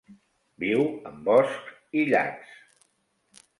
Viu en boscs i llacs.